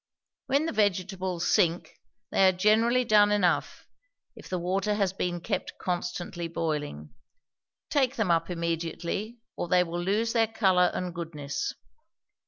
When the vegetables sink, they are generally done enough, if the water has been kept constantly boiling. Take them up immediately, or they will lose their color and goodness.